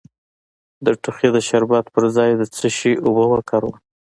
د ټوخي د شربت پر ځای د څه شي اوبه وکاروم؟